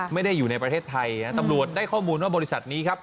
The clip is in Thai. ไม่ได้อยู่ในประเทศไทยตำรวจได้ข้อมูลว่าบริษัทนี้ครับ